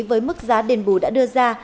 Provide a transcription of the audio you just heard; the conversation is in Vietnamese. với mức giá đền bù đã đưa ra